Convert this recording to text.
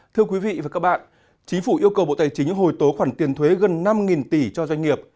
thưa quý vị và các bạn chính phủ yêu cầu bộ tài chính hồi tố khoản tiền thuế gần năm tỷ cho doanh nghiệp